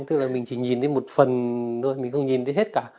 tức là mình chỉ nhìn thấy một phần thôi mình không nhìn thấy hết cả